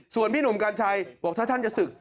ส่วนพี่หนุ่มกัญชัยบอกถ้าท่านจะศึก